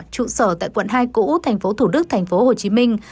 trụ sở tại quận hai của úc thành phố thủ đức thành phố hồ chí minh